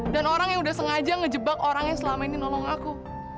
orang yang udah sengaja ngejebak orang yang selama ini nolong aku